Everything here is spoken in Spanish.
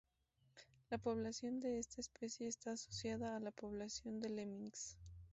La población de esta especie está asociada a la población de lemmings.